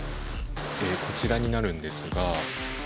こちらになるんですが。